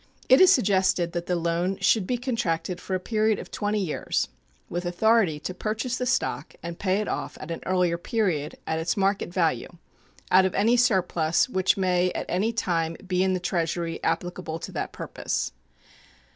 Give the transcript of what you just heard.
It is suggested that the loan should be contracted for a period of twenty years, with authority to purchase the stock and pay it off at an earlier period at its market value out of any surplus which may at any time be in the Treasury applicable to that purpose.